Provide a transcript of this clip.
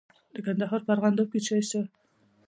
د کندهار په ارغنداب کې څه شی شته؟